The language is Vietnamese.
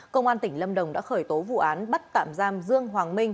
công an tỉnh lâm đồng đã khởi tố vụ án bắt tạm giam dương hoàng minh